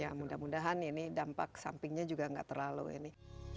ya mudah mudahan ini dampak sampingnya juga nggak terlalu ini